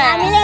ambil ya gak